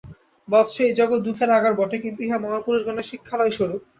বৎস! এই জগৎ দুঃখের আগার বটে, কিন্তু ইহা মহাপুরুষগণের শিক্ষালয়স্বরূপ।